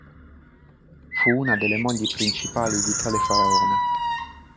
Fu una delle mogli principali di tale faraone.